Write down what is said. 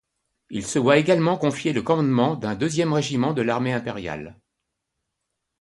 Il se voit également confier le commandement d'un deuxième régiment de l'armée impériale.